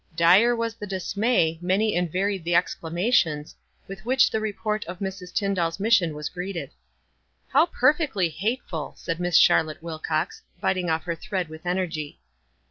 Dire was the dismay, many and varied the exclamations, with which the report of Mrs. Tyndall's mission was greeted. "How perfectly hateful," said Miss Charlotte Wilco::, biting off her thread with energy.